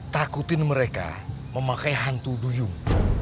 takutin mereka memakai hantu duyung